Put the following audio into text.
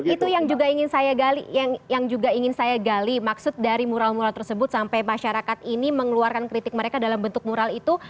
itu yang juga ingin saya gali maksud dari mural mural tersebut sampai masyarakat ini mengeluarkan kritik mereka dalam bentuk mural itu